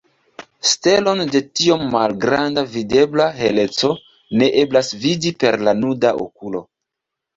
Stelon de tiom malgranda videbla heleco ne eblas vidi per la nuda okulo.